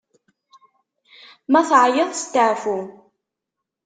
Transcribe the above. Ma teεyiḍ, steεfu!